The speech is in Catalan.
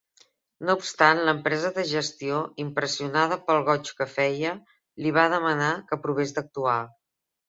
No obstant, l'empresa de gestió, impressionada pel goig que feia, li va demanar que provés d'actuar.